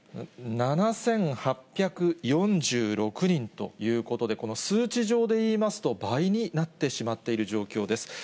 ７８４６人ということで、この数値上でいいますと、倍になってしまっている状況です。